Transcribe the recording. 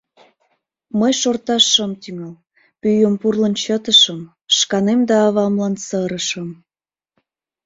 Мый шорташ шым тӱҥал, пӱйым пурлын чытышым, шканем да авамлан сырышым.